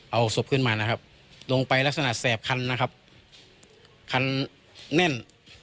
เอาศพขึ้นมานะครับลงไปลักษณะแสบคันนะครับคันแน่น